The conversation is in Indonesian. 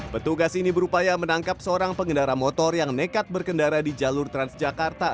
petugas ini berupaya menangkap seorang pengendara motor yang nekat berkendara di jalur transjakarta